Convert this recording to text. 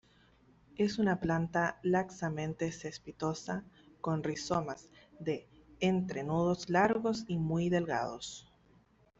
Es una planta laxamente cespitosa, con rizomas de entrenudos largos y muy delgados.